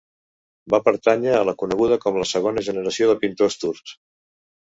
Va pertànyer a la coneguda com a segona generació de pintors turcs.